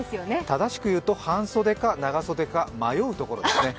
正しく言うと、半袖か長袖か迷うところですね。